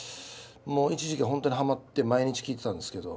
一時期本当にはまって毎日聞いてたんですけど。